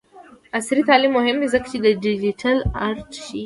عصري تعلیم مهم دی ځکه چې د ډیجیټل آرټ ښيي.